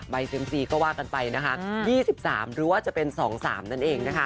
เซ็มซีก็ว่ากันไปนะคะ๒๓หรือว่าจะเป็น๒๓นั่นเองนะคะ